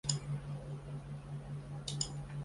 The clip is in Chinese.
任直隶高淳县知县。